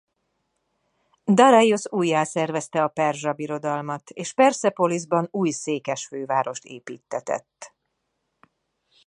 Dareiosz újjászervezte a Perzsa Birodalmat és Perszepoliszban új székesfővárost építtetett.